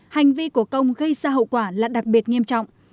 hành vi của công gây ra hậu quả là đặc biệt nghiêm trọng